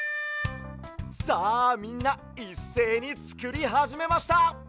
さあみんないっせいにつくりはじめました！